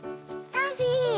サフィー